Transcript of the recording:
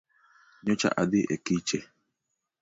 Nyocha adhi e kiche.